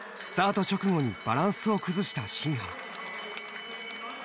スタート直後にバランスを崩した新濱。